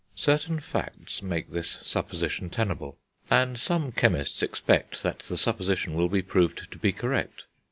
Certain facts make this supposition tenable; and some chemists expect that the supposition will be proved to be correct.